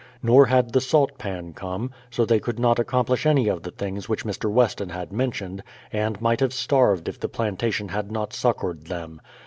Nor had the salt pan come; so they could not accomplish any of the things which Mr. Weston had mentioned, and might have starved if the plantation had not succoured them.